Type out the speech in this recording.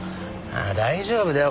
ああ大丈夫だよ